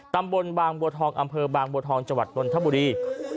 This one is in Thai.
ตำบลบางบัวทองอำเภอบางบัวทองจังหวัดนนทบุรี